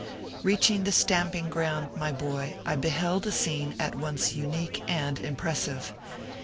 Reaching the stamping ground, my boy, I beheld a .scene at once unique and impressive.